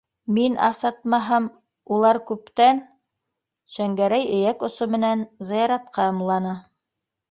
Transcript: Мин асатмаһам, улар күптән, - Шәңгәрәй эйәк осо менән зыяратҡа ымланы.